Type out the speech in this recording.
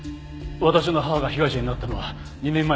私の母が被害者になったのは２年前の詐欺です。